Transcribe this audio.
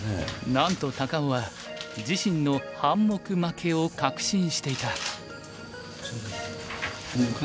なんと高尾は自身の半目負けを確信していた。